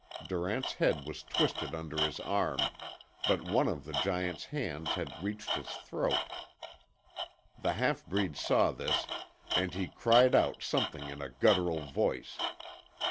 Durant's head was twisted under his arm, but one of the giant's hands had reached his throat. The halfbreed saw this, and he cried out something in a guttural voice.